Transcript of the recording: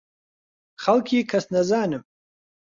خەڵکی کەسنەزانم.